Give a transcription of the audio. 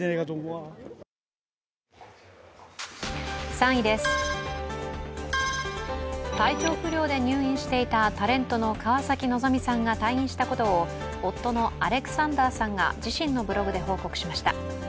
３位です、体調不良で入院していたタレントの川崎希さんが退院したことを夫のアレクサンダーさんが自身のブログで報告しました。